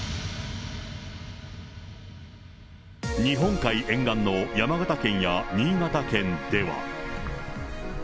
日本海沿岸の山形県や新潟県では。